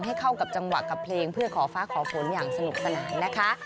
ให้เข้ากับจังหวะกับเพลงเพื่อขอฟ้าขอฝนอย่างสนุกสนานนะคะ